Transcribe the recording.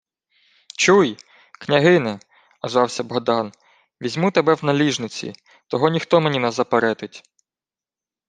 — Чуй, княгине, — озвався Богдан, — візьму тебе в наліжниці — того ніхто мені не заперетить!